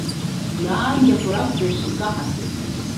Иаандақәа ракәзар, икаҳахьеит.